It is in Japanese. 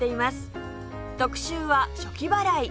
特集は「暑気払い」。